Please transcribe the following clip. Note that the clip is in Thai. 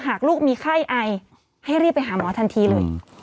หากลูกมีไข้ไอให้รีบไปหาหมอทันทีเลย